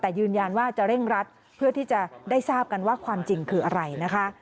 แต่ยืนยันว่าจะเร่งรัดเพื่อที่จะได้ทราบกันว่าความจริงคืออะไรนะคะ